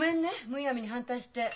むやみに反対して。